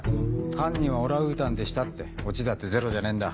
犯人はオランウータンでしたってオチだってゼロじゃねえんだ。